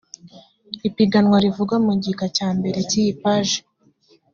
ipiganwa rivugwa mu gika cya mbere cy iyi paji